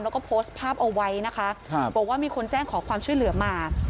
แล้วก็โพสต์ภาพเอาไว้นะคะบอกว่ามีคนแจ้งขอความช่วยเหลือมา